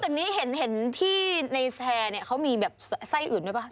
เซียนอกจากนี้เห็นที่นัทช่ายมีใส่อื่นรึที่ไหน